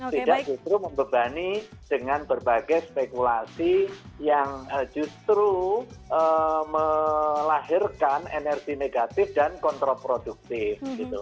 sehingga justru membebani dengan berbagai spekulasi yang justru melahirkan energi negatif dan kontrol produktif